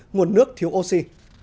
nguồn nước thiếu oxy